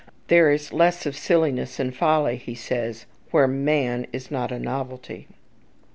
"There is less of silliness and folly," he says, "where man is not a novelty."